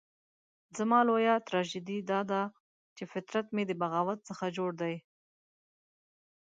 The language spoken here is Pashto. زما لويه تراژیدي داده چې فطرت مې د بغاوت څخه جوړ دی.